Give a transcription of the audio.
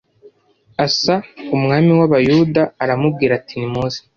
asa umwami w abayuda aramubwira ati nimuze